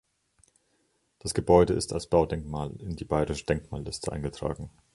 Das Gebäude ist als Baudenkmal in die Bayerische Denkmalliste eingetragen.